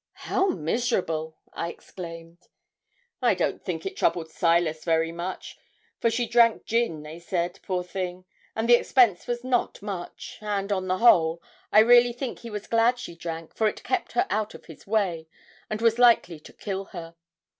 'How miserable!' I exclaimed. 'I don't think it troubled Silas very much, for she drank gin, they said, poor thing, and the expense was not much; and, on the whole, I really think he was glad she drank, for it kept her out of his way, and was likely to kill her.